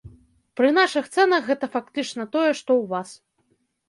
Пры нашых цэнах гэта фактычна тое, што ў вас.